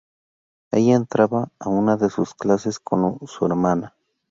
Ella entraba a una de sus clases con su hermana.